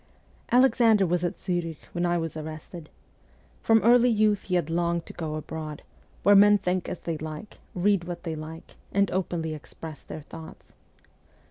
Alexander was at Zurich when I was arrested. From early youth he had longed to go abroad, where men think as they like, read what they like, and openly express their thoughts.